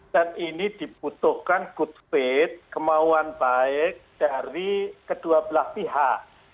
dan ini dibutuhkan good faith kemauan baik dari kedua belah pihak